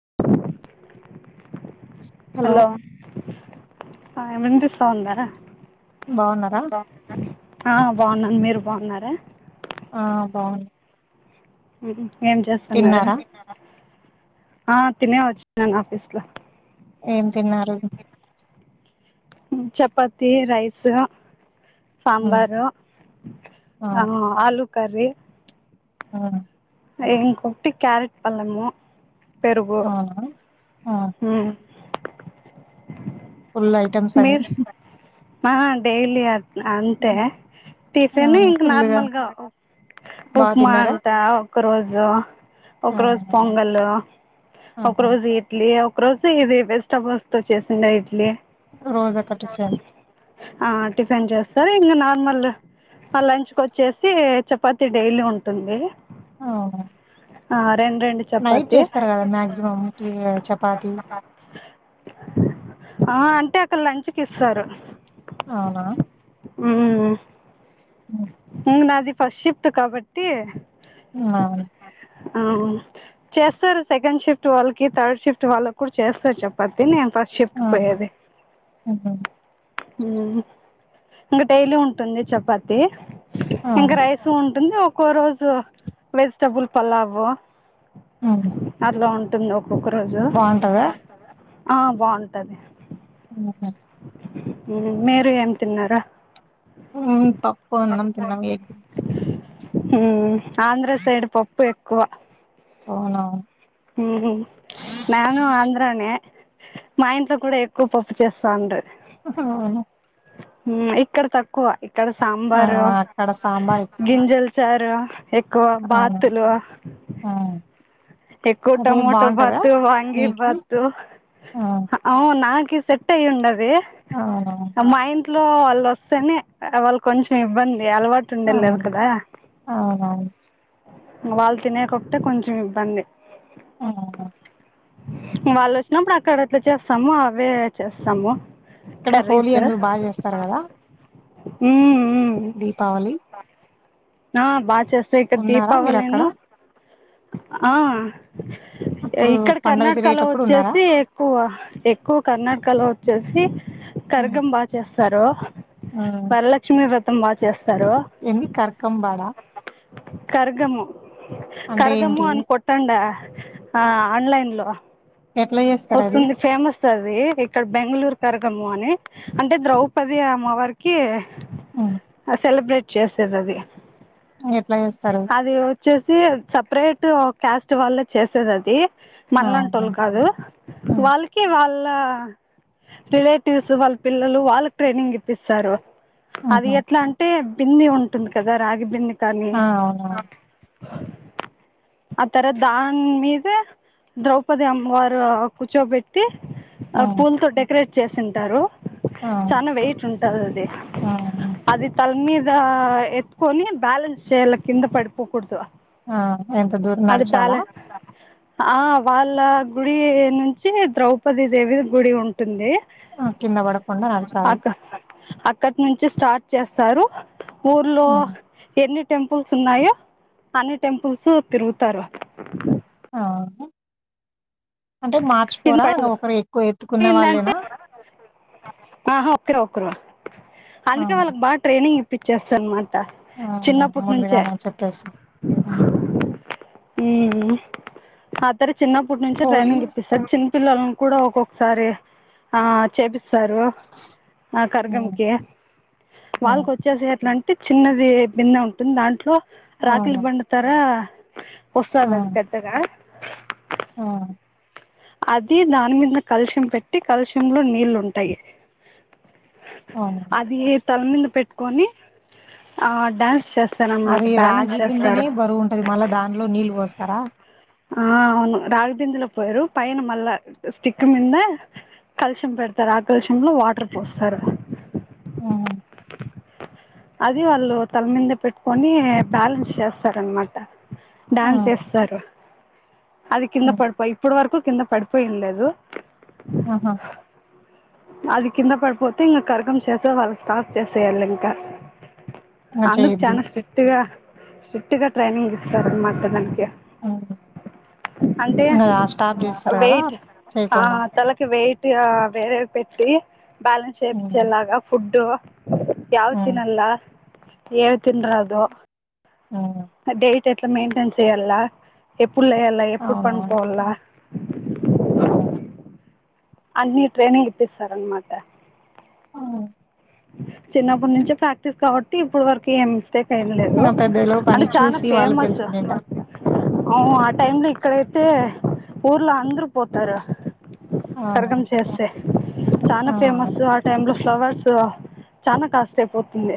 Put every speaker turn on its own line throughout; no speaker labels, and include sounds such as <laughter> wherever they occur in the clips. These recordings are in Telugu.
<inaudible>
హలో
ఆ వినిపిస్తోందా
బాగున్నారా
ఆ బాగున్నాను మీరు బాగున్నారా
ఆ బాగున్న
ఏం చేస్తున్నారు ఆ తినే వచ్చిన్నాను ఆఫీస్ లో
ఏం తిన్నారు
చపాతి రైస్
ఉమ్
సాంబారు ఆ ఆలూ కర్రీ
ఊ
ఎంటి క్యారెట్ అన్నము పెరుగు
అవునా ఆ
ఊ
ఫుల్ ఐటెమ్స్ అన్ని
ఆ డైలీ అట్ట్నే అంతే టిఫిన్ ఆ ఇంకా నార్మల్గా
బాగా
ఉప్మా
తిన్నారా
అండుత ఒక రోజు
ఆ
ఒక రోజు పొంగల్ ఒక
ఆహా
రోజు ఇడ్లీ ఒక రోజు ఇది వెజస్టబుల్స్ తో చేసిన ఇడ్లీ
రోజు ఒక టిఫిన్
ఆ టిఫిన్ సరే ఇంకా నార్మల్ లంచ్కి వచ్చేసి చపాతి డైలీ ఉంటుంది
అవును
ఆ! రెండు రెండు
నైట్
చపాతీ
చేస్తారు కదా మ్యాక్సిమం చపాతి
ఆ అంటే అక్కడ లంచ్కి ఇస్తారు
అవున
ఉమ్ నాది ఫస్ట్ షిఫ్ట్ కాబట్టి
ఆ
అ చేస్తారు సెకండ్ షిఫ్ట్ వాళ్ళకి థర్డ్ షిఫ్ట్ వాళ్ళకి కూడా చేస్తారు చపాతి ఫస్ట్ షిఫ్ట్
ఆ
పోయేది
ఉహు,
ఇంకా డైలీ ఉంటుంది చపాతి
ఆ
ఇంకా రైస్ ఉంటుంది ఒక్కో రోజు వెజిటబుల్ పలావు
ఉమ్.
అలా ఉంటుంది ఒక్కొక్క రోజు
బాగుంటదా
ఆ బాగుంటది
ఆ
మీరు ఏం తిన్నారా
పప్పు అన్నం తిన్నమే ఏ
ఆంధ్ర సైడ్ పప్పు ఎక్కువ
అవునా
న్యాను ఆంధ్రనే మా ఇంట్లో కూడా ఎక్కువ పప్పు చేస్తాండి
అహా
ఇక్కడ తక్కువ ఇక్కడ
ఆ,
సాంబారు
అక్కడ సాంబార్ ఎక్కువ
గింజల చారు ఎక్కువ
అవును
బాతులు
ఆ
ఎక్కువ
అదే
టమోటో
బావుంటదా?
భతు వంగి
మీకు
భతు
ఆ!
అవు నాకు సెట్ అయ్య ఉండది
ఆ
మా ఇంట్లో వాళ్ళు వస్తేనే వాళ్ళు కొంచెం ఇబ్బంది అలవాటు ఉండిలే
అవును.
కదా
అవునవును.
వాళ్ళు తినేకే కొంచెం ఇబ్బంది
ఆ
వాళ్ళు వచ్చినప్పుడు అక్కడట్లా చేస్తాము అవే చేస్తాము
ఇక్కడ హోలీ అందరూ బాగా చేస్తారు కదా
ఉమ్
దీపావళి
ఆ బాగా చేస్తాయి ఇక్కడ
ఉన్నారా
దీపావలి
మీరక్కడ?
ఉన్ను ఆ
అప్పుడు
ఇక్కడ
పండగ
కర్ణాటకలో
జరిగేటప్పుడు ఉన్నారా?
వచ్చేసి ఎక్కువ ఎక్కువ కర్ణాటకలో వచ్చేసి
హ్మ్.
కర్గం బాగా చేస్తారు
హ్మ్.
వరలక్ష్మి వ్రతం బాగా చేస్తారు
ఏంది కర్కంబడా
కర్గము
అంటే
కర్గము
ఏంటి?
అన్ కొట్టండా ఆ ఆన్లైన్ లో
ఎట్లా జేస్తారది?
వస్తుంది ఫేమస్ అది ఇక్కడ బెంగళూరు కరగమ్ము అని అంటే ద్రౌపది అమ్మవారికి
హ్మ్.
అ సెలబ్రేట్ చేస్తదాది
ఎట్లా జేస్తారు?
అది వచ్చేసి సపరేట్ క్యాస్ట్ వాళ్ళే చేసేది అది
ఆ!
మంలాంటోళ్లు కాదు
హ్మ్.
వాళ్ళకి వాళ్ళ వాళ రిలేటివ్స్ వాళ్ళ పిల్లలు వాళ్ళకి ట్రైనింగ్ ఇప్పిస్తారు అది
హుహు.
ఎట్లా అంటే బింది ఉంటుంది కదా రాగి బింది కానీ
ఆవును
అ తర్త దాని మీదే ద్రౌపది అమ్మవారు కూర్చోబెట్టి ఆ
హ్మ్.
పూలతో డెకరేట్ చేసింటారు
ఆ!
చనా వెయిట్ ఉంటది అది
హ్మ్.
అది తలమీద ఇ ఎత్కొని బ్యాలెన్స్ చేయల కింద పడిపోకూడదు
ఆ ఎంత దూరం
అది
నడచాలా
బ్యాలెన్స్ ఆ వాళ్ళ గుడి నుంచి ద్రౌపది దేవి గుడి ఉంటుంది
ఆ! కింద బడకుండా నడచాలి.
అక అక్క నుంచి స్టార్ట్ చేస్తారు ఊర్లో
హ్మ్.
ఎన్ని టెంపుల్స్ ఉన్నాయో అన్ని టెంపుల్స్ తిరుగుతారు
ఆ! అంటే మార్చుకోరా? ఇంగ
తిట్టారు
ఒకరు ఎక్కువ ఎత్తుకున్న
ఏందంటే
వాళ్ళేనా?
ఆహా ఒకేర్ అందుకే
ఆహా!
వాళ్ళకి బాగా ట్రైనింగ్ ఇప్పించేస్త అనమాట
ఆహా!
చిన్నప్పటి నుంచే
ముందుగానే చెప్పేసి. హ్మ్.
హ్మ్ అతర చిన్న
పోలి
ట్రైనింగ్ ఇప్పిస్తారు చిన్నపిల్లలను కూడా ఒక్కొక్కసారి ఆ చేపిస్త సారు ఆ
హ్మ్.
కర్గంకి
హ్మ్.
వాళ్ళకి వచ్చేస ఎట్లంటే అ చిన్నది బిందె ఉంటుంది దాంట్లో రాకులి
అవును.
బండు తర వొస్తదాది పెద్దగా
ఆ
అది దాని మీద కాలషం పెట్టి కలుషంలో నీళ్ళు ఉంటాయి
అవును.
అది తల మీద పెట్టుకొని ఆ డ్యాన్స్ చేస్
అది రాగి బిందెనే బరువు ఉంటది మళ్ళా దానిలో నీళ్ళు పోస్తారా
ఆ అవును రాగి బిదింలో పోయారు పైన మళ్ళా స్టిక్ మీింద కాళషం పెడతారు ఆ కాళషంలో వాటర్ పోస్తారు
హ్మ్.
అది వాళ్ళు తల మీద పెట్టుకొని బ్యాలెన్స్ చేస్తారనమాట డ్యాన్స్
హ్మ్.
ఎస్తారు అది కింద
హ్మ్.
పడిపోయి ఇప్పుడు వరకు పడిపోయిండదు
ఆహా
అది కింద పడిపోతే ఇంకా కరకం చేసే వాళ్ళు స్టార్ట్ చేసేయళి ఇంకా
ఇంగ
అందుకు
చేయొద్దు.
చనా స్ట్రిక్ట్గా స్ట్రిక్ట్ గా ట్రైనింగ్ ఇస్తారుమాట దనికి
అ ఇంకా స్టార్ప్ చేస్త
వెయిట్ అ తలకి వెయిట్ ఇగ వేరే పెట్టి బ్యాలెన్స్
హ్మ్.
చేపించేలాగా ఫుడ్ యావ్
హ్మ్.
తినల్లా ఏవ్ తిన్నారాదు
ఆ
ట్ మెయిన్ చేయాల ఎప్పుడు లేయాల ఎప్పుడు పంనుకోవాలా
ఆవున
అన్ని ట్రైనింగ్ ఇప్పిస్తారు అన్నమాట
ఆ
చిన్నప్పుటి నుంచే ప్రాక్టీస్ కాబట్టి ఇప్పుడు వరకు ఏం సెప్ ఏం లేదు
ఇంగ పెద్దలు పని
అంటే చాలా
చూసి వాళ్ళు
ఫేమస్
తెలుసుకునేంటారు.
ఆ టైమ్ ల ఇక్కడైతే ఊర్లో అందరు పోతారు కరగం
అవునవును.
చేస్తే చనా ఫేమస్ ఆ టైమ్ లో ఫ్లవర్స్ సో చనా కాస్ట్ అయిపోతుంది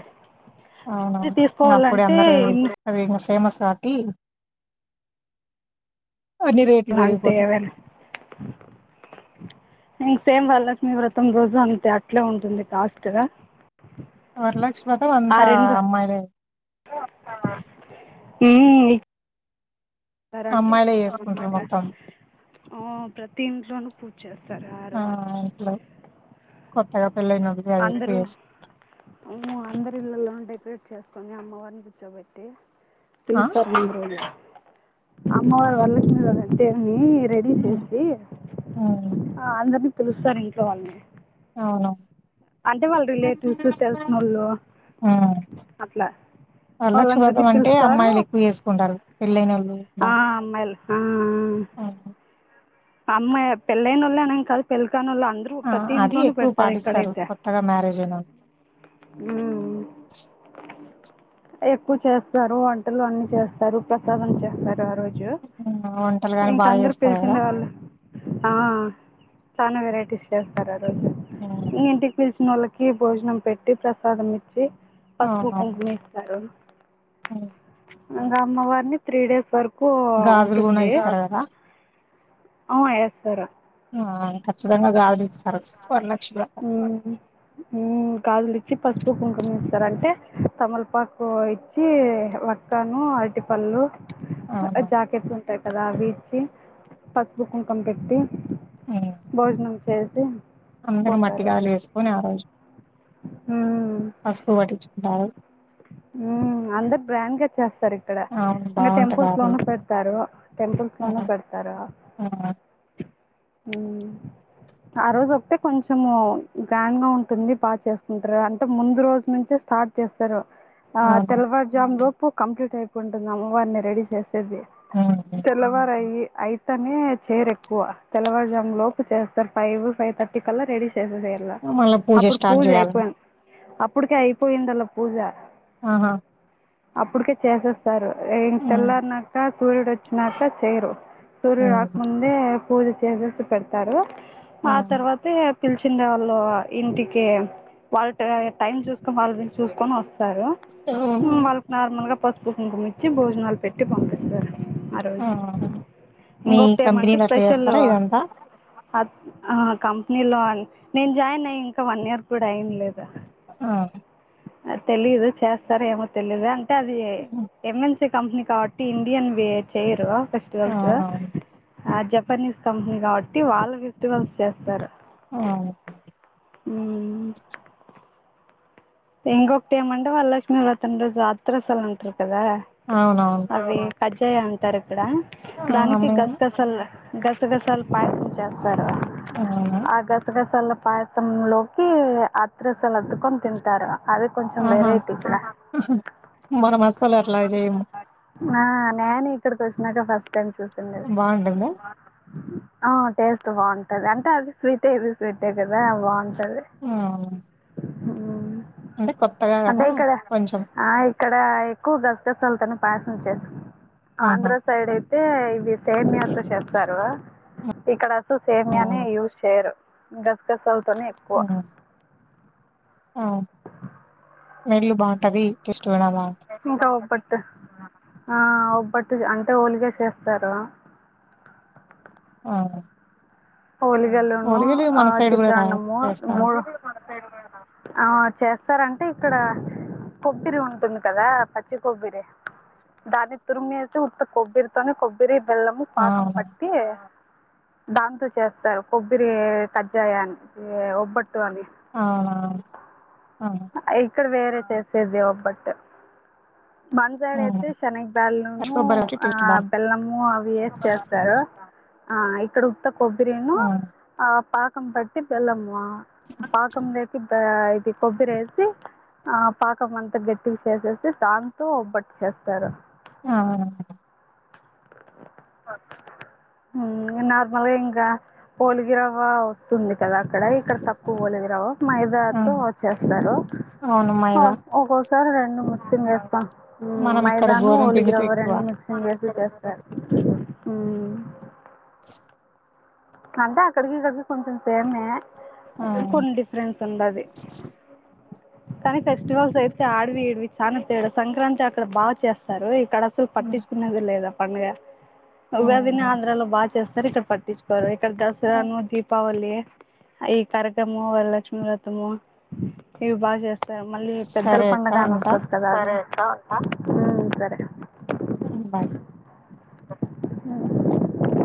అవునా
ఇది
ఇగా అప్పుడె
తీసుకోవాలంటే
అందరు
ఇన్ని
అది ఇంగా ఫేమస్ కాటి అన్ని రేట్లు
అంటే
పెరిగిపోతాయ్
ఏవైనా ఇంక సేమ్ వరలక్ష్మి వ్రతం రోజు అంతే అట్లే ఉంటుంది కాస్ట్
వరలక్ష్మి వ్రాతాం అంతా అమ్మాయిలే
ఈ సరంటే
అమ్మాయిలే చేసుకుంటారు
పోతామన్నమాట
మొత్తం
ఆ ప్రతి ఇంట్లోనూ పూజ చేస్తారు ఆ రోజు
కొత్తగా పెళ్ళైనోళ్ళు అది ఎక్కువ
అందరు
చేసు
ఉ అందరి ఇలల్లో ఉంటే పిట్ చేసుకొని అమ్మవారిని కూర్చోబెట్టి
ఆ
తెలుస్తారు ముందు రోజు అమ్మవారు వరలక్ష్మి దేవున్ని రెడి
హ్మ్
చేసి
హ్మ్.
అ పిలుస్తారు ఇంట్లోవాలని
అవును
అంటే వాళ్ళ రిలేటివ్స్ తెలిసినోళ్ళు
హ్మ్
అట్లా
వరలక్ష్మి
వాళ్ళందరినీ
వ్రతం అంటే
పిలుస్తారు
అమ్మాయిలు ఎక్కువ చేసుకుంటారు పెళ్ళైనోళ్ళు
ఆ
బాగా
అమ్మాయిలు ఆ ఆ ఉహు అమ్మయీ పళ్ళైనొల్ అనేమ్ కాదు పెళ్ల్ కనొల్ అందరు
ఆ
ప్రతి
అది
ఇంట్లోనూ
ఎక్కువ
పెడతారు ఇక్కడ
పాటిస్తారు
అయితే
కొత్తగా మ్యారేజ్ అయినోళ్ళు
ఉమ్ ఎక్కువ చేస్తారు వంటలు అన్ని చేస్తారు ప్రసాదం చేస్తారు ఆ రోజ్ జు
హ్మ్. వంటలు గాని
ఇంకా
బాగా
అందరు
చేస్తారు కదా
పిలిచిండే వాళ్ళు ఆ చనా వెరైటీస్ చేస్తారు ఆ రోజు
హ్మ్.
ఇంగా ఇంటికి పిలిచిన వాళ్ళకి భోజనం పెట్ పెట్టి ప్రసాదం ఇచ్చి పసుపు కుంకుమిస్తారు
ఉమ్
ఇగా అమ్మవారిని త్రీ డేస్ వరకు
గాజులు కూడా
ఉంటుంది
ఇస్తారు కదా
ఆవ్ ఏస్తారు
ఆ ఖచ్చితంగా గాలి ఇస్
ఉమ్ ఉమ్ గాజులు ఇచ్చి పసుపు కుంకుమా ఇచ్చి స్తారంటే తమలపాకు ఇచ్చి వక్కను అరటి పళ్ళు
అవును
జాకెట్స్ ఉంటాయి కదా అవి ఇచ్చి పసుపు కుంకుమా పెట్టి భోజనం చేసి
అందరు
పోతారు
మట్టిగాలు వేసుకొని ఆ రోజు పసుపు పట్టించుకుంటారు
ఉమ్ అందరు బ్రాండ్గా చేస్తారు ఇక్కడ
అవును
ఇంకా
బావుంటది ఆ
టెంపుల్స్ లోనూ
రోజు.
పెడతారు టెంపుల్స్ లోనూ
హ్మ్.
పెడతారు
ఆ!
ఉమ్ ఆ రోజు ఒక్కటే కొంచము గ్రాండ్ గా ఉంటుంది బాగా చేసుకుంటారు అంటే ముందు రోజు నుంచి స్టార్ట్ చేస్తారు ఆ
అవును.
తెల్వారు జామ్ లోపు కంప్లీట్ అయిపోంటుంది అమ్మవారిని రెడీ చేస్ చేసి
హ్మ్.
తెలవారయ్యి అయితానే చేయరు ఎక్కువ తెల్లవారుజాము లోపు చేస్తారు ఫైవ్ ఫైవ్ థర్టీ కల్లా రెడీ చేస్ చేసేసల్లా
హ్మ్. మళ్ళా
అప్పుడు
స్టార్ట్
పూజ
చేయాలండి.
అయిపోయింది అప్పటికే అయిపోయిందల్లా పూజ
ఆహా
అప్పుటికే చేసేస్తారు ఇం
హ్మ్.
తెల్లరినాక సూర్యుడు వచ్చినాక చేయరు సూర్యుడు
హ్మ్.
రాకముందే పూజ చేసేసి పెడుతారు ఆ
అవును.
తర్వాతే పిలిచుండో వాళ్ళు ఇంటికి వాళ్ళ టైం చూసుకొని వాళ్ళ వీలు చూసుకొని వస్ స్తరు వాళ్ళకి నార్మల్ గా పసుపు కుంకుమిచ్చి భోజనాలు పెట్టి పంపిస్తారు ఆ రోజు
ఆహా
ఇంకొకటి ఏమంటే స్పెషల్ అ కంపెనీ లో అం నేను జాయిన్ అయి ఇంకా వన్ ఇయర్ కూడా అఇన్ లేదు
ఆ
తెలీదు చేస్తారు ఏమో తెలీదు అంటే అది
హ్మ్.
ఏమన్ సి కంపెనీ కాబట్టి ఇండియన్ చేయరు ఫెస్టివల్స్
అవునవును.
ఆ జపనీస్ కంపెనీ కాబట్టి వాళ్ళు ఫెస్టివల్స్ చేస్తారు
ఆ
మ్ ఇంకొకటి ఏమంటే వరలక్ష్మి వ్రతం రోజు అత్ర సల్ అంట్ర కదా
అవునవును.
అవి కజ్జాయ అంటారు ఇక్కడ
ఆ!
దానికి
మేము
గసగసల్ గసగసలు పయసం చేస్తారు
అవునా?
ఆ గసగసలు పాయసం లోకి అత్ర సలు అద్దుకొని తింటారు అది కొంచెం
ఆహా
వెరైటీ ఇక్కడ
మనం అస్సలు అట్లాగ చెయ్యము
ఆ నేను ఇక్కడికోచ్చినాక ఫస్ట్ టైం చూసింది అది
బావుంటుందా?
ఆ టేస్ట్ బాగుంటది అంటే అది స్వీటే ఇది స్వీట్ే కదా బాగుం
అవును
మ్ అంటే ఇక్కడ
కొంచెం
అ ఇక్క డ ఎక్కువ గసగసల్ తోనే పాయసం చేస్
ఆహా!
ఆంధ్ర సైడ్ అయి తే ఇవి సేమియాతో చేస్తారు ఇక్కడ అసలు సేమియానే
అవును.
యూస్ చేయరు గసగసాల్తోనే ఎక్కువ
ఆ మీ ఇల్లు బాగుంటది ఇంట్రేస్
ఇంకా పట్ ఆ ఒబ్బట్టు అంటే ోలిగా చేస్తార
అవును
హోలిగలును ఆ
గూడా బా
చిత్రాన్నము
చేస్తారు.
మూడు అ చేస్ స్తరంటే ఇక్కడ కొబ్బరి ఉంటుంది కదా పచ్చి కొబ్బరి దాన్ని తురిమేసి ఉత్త కొబ్బరితోనే కొబ్బరి బెల్లం
ఆ!
పాకం
అవునవును.
పట్టి దాంతో చేస్తారు కొబ్బరి కజ్జాయ అని ఒబ్బట్టు అని
ఆ ఆ
ఇక్కడ వేరే చేసేది ఒబ్బట్ మన సైడ్ అయితే
హ్మ్.
శనగ్
పచ్చి
బ్యాల్ను
కొబ్బరి ఒకటి
ఆ
టేస్ట్ బావుంటది.
బెల్లము అవి వేసి చేస్తారు ఆ ఇక్కడ ఉత్త కొబ్బరి ఎమొ
అవును.
ఆ పాకం పట్టి బెల్లమ పాకములేసి ఆ ఇది కొబ్బరి వేసి ఆ పాకం అంతా గట్టికి చేసేసి దన్ తో ఒబ్బట్ చేస్తారు
అవునా
ఉమ్ నార్మల్గా ఇంకా ఓలిగి రవ్వ వస్తుంది కదా ఇక్క ఇక్కడ తక్కువ ఓలిగిరవ్వ మైదాతో
అవును.
వచ్చేస్తారూ
అవును మైదా.
సార్ రెండు మిక్సింగ్ వేస్తా
మనం ఇక్కడ
మైదానం
గోధుమ
ఓలిగి
పిండితో
రవ్వ
ఎక్కువ.
రెండు మిక్సంగ్ వేస్తా చేస్తారు ఉమ్ అంటే అక్కడికి ఇక్కడికి కొంచెం సేమే
ఆ!
కొన్ని డిఫరెన్స్ ఉండది కానీ ఫెస్టివల్స్ అయితే ఆడవిడివి చాలా తేడా సంక్రాంతి అక్కడ బా చేస్తారు ఇక్కడ అసలు
హ్మ్.
పట్టించుకునేది లేదు ఆ పండుగ ఉగాదిని
హ్మ్.
ఆంధ్రాలో బాగా చేస్తారు ఇక్కడ పట్టించుకు బరు ఇక్కడ దసరాను దీపావళ ఈ కరకము వరలక్ష్మీ వ్రతము ఇవి బాచేస్తారు మళ్ళీ పెద్దల
సరే అక్క
పండగ
ఉంటా.
వస్తుంది కదా సరే అక్కడ ఉంటా మ్మ్ సరే
బాయ్
ఉ